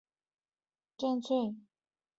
授刑部观政卒。